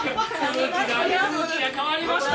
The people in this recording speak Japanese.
空気が変わりましたよ。